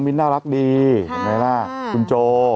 เอาซีมาเรนะ